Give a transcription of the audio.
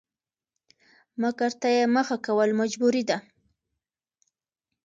مکر ته يې مخه کول مجبوري ده؛